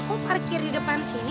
kok parkir di depan sini